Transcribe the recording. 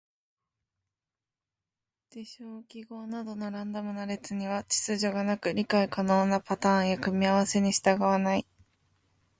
事象・記号などのランダムな列には秩序がなく、理解可能なパターンや組み合わせに従わない。